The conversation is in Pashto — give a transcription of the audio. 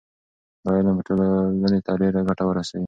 دا علم به ټولنې ته ډېره ګټه ورسوي.